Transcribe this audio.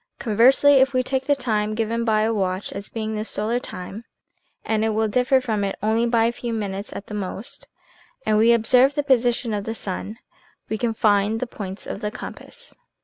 Conversely, if we take the time given by a watch as being the solar time (and it will differ from it only by a few minutes at the most), and we observe the position of the sun, we can find the points of the compass.